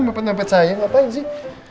mepet mepet saya ngapain sih